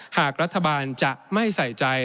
หากรัฐบาลจะไม่ใส่ใจ